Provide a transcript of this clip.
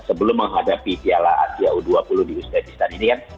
sebelum menghadapi piala asia u dua puluh di uzbekistan ini kan